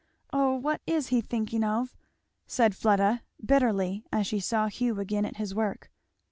Oh what is he thinking of?" said Fleda bitterly, as she saw Hugh again at his work.